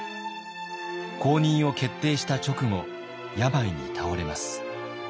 後任を決定した直後病に倒れます。